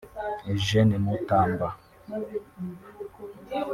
Eugene Mutamba